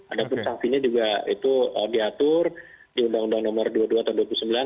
ada pun sanksinya juga itu diatur di undang undang nomor dua puluh dua tahun dua ribu sembilan